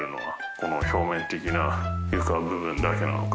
この表面的な床部分だけなのか？